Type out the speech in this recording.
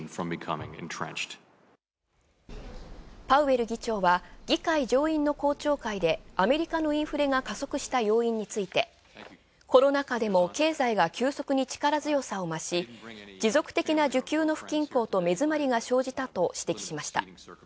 パウエル議長は議会上院の公聴会でアメリカのインフレが加速した要因についてコロナ禍でも経済が急速に力強さを増し持続的な受給の不均衡と目詰まりが生じたと指摘しました。